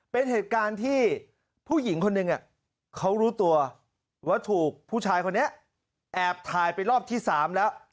เป็นเหตุการณ์ที่ผู้หญิงคนหนึ่งเขารู้ตัวว่าถูกผู้ชายคนนี้แอบถ่ายไปรอบที่๓แล้ว